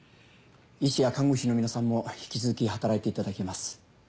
医師や看護師の皆さんも引き続き働いていただきます。